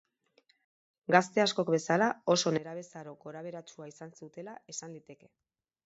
Gazte askok bezala, oso nerabezaro gorabeheratsua izan zutela esan liteke.